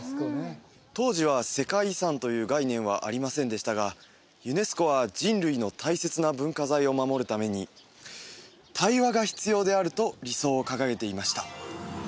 当時は世界遺産という概念はありませんでしたがユネスコは人類の大切な文化財を守るために対話が必要であると理想を掲げていました